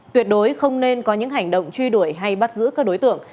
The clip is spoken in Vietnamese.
tuyệt đối không nên có những hành động truy đuổi hay bắt giữ các đối tượng